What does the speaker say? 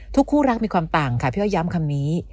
คู่รักมีความต่างค่ะพี่อ้อยย้ำคำนี้